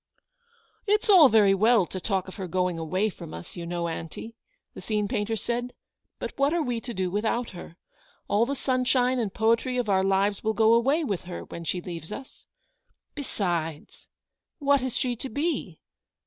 "It's all very well to talk of her going away from us, you know, aunty," the scene painter said ;" but what are we to do without her ? Ail the sunshine and poetry of onr lives will go away with her when she leaves us ! Besides ! what is she to be